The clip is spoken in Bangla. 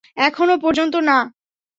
এখনো পর্যন্ত না।